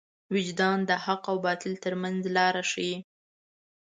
وجدان د حق او باطل تر منځ لار ښيي.